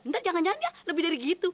ntar jangan jangan ya lebih dari gitu